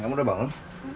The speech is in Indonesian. kamu sudah bangun